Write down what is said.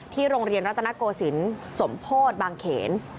ที่โรงเรียนรัฐนโกศิลป์สมโภตบางเขน